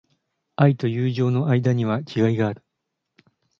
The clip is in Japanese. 愛と友情の間には違いがある。